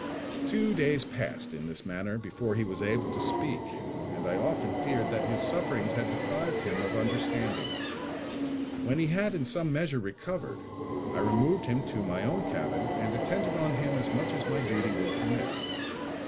Two days passed in this manner before he was able to speak, and I often feared that his sufferings had deprived him of understanding. When he had in some measure recovered, I removed him to my own cabin and attended on him as much as my duty would permit.